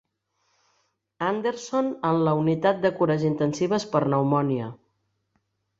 Anderson en la unitat de cures intensives per pneumònia.